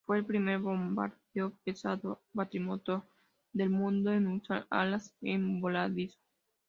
Fue el primer bombardero pesado cuatrimotor del mundo en usar alas en voladizo.